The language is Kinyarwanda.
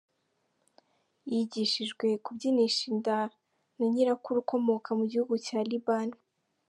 Yigishijwe kubyinisha inda na Nyirakuru ukomoka mu gihugu cya Liban.